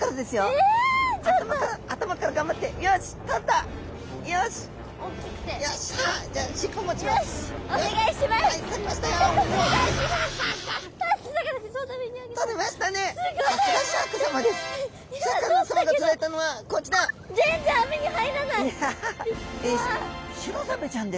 えシロザメちゃんです。